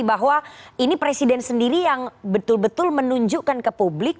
bahwa ini presiden sendiri yang betul betul menunjukkan ke publik